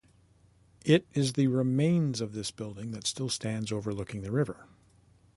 It is the remains of this building that still stands overlooking the river.